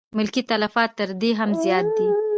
ملکي تلفات تر دې هم زیات دي.